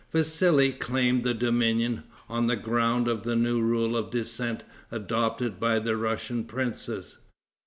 Vassali claimed the dominion, on the ground of the new rule of descent adopted by the Russian princes.